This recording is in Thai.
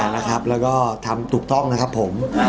แล้วก็ทำถูกต้องนะครับผม